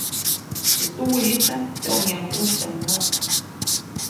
Teʼ tuwiʼistaʼm tyoʼŋyaju ʼusytyaʼm näʼ.